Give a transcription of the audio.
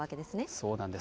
そうなんです。